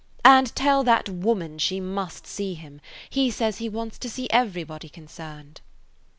And tell that woman she must see him. He says he wants to see everybody concerned."